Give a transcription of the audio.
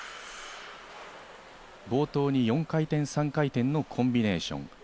冒頭に４回転、３回転のコンビネーション。